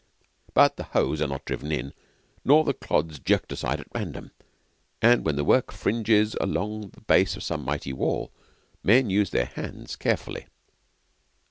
But the hoes are not driven in, nor the clods jerked aside at random, and when the work fringes along the base of some mighty wall, men use their hands carefully.